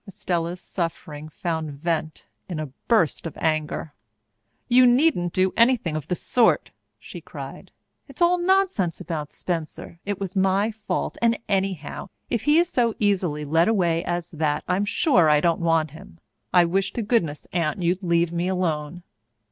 Estella's suffering found vent in a burst of anger. "You needn't do anything of the sort!" she cried. "It's all nonsense about Spencer it was my fault and anyhow, if he is so easily led away as that, I am sure I don't want him! I wish to goodness, Aunt, you'd leave me alone!"